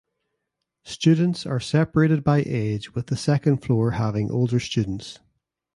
Students are separated by age with the second floor having older students.